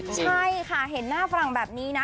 ใช่ค่ะเห็นหน้าฝรั่งแบบนี้นะ